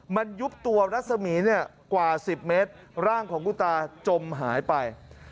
มันยุบตัวรัศมีร์กว่า๑๐เมตรร่างของคุณตาจมหายไป